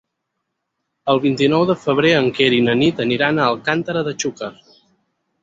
El vint-i-nou de febrer en Quer i na Nit aniran a Alcàntera de Xúquer.